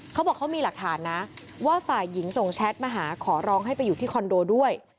เขาบอกเขามีหลักฐานนะว่าฝ่ายหญิงส่งแชทมาหาขอร้องให้ไปอยู่ที่คอนโดด้วย